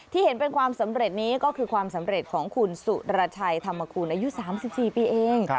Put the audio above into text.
เห็นเป็นความสำเร็จนี้ก็คือความสำเร็จของคุณสุรชัยธรรมคุณอายุ๓๔ปีเอง